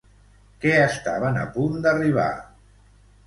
Què estaven a punt d'arribar?